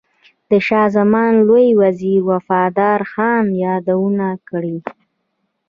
د شاه زمان لوی وزیر وفادار خان یادونه کړې.